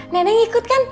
neneng ikut kan